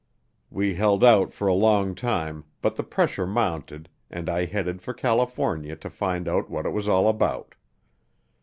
We held out for a long time but the pressure mounted and I headed for California to find out what it was all about.